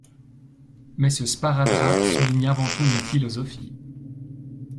Mais ce sparadrap souligne avant tout une philosophie.